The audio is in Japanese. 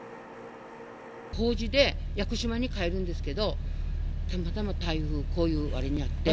法事で屋久島に帰るんですけど、たまたま台風、こういうあれに遭って。